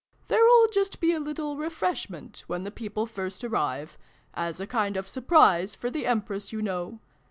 There'll just be a little refreshment, when the people first arrive as a kind of surprise for the Empress, you know.